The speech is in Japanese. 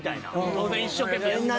当然一生懸命やったし。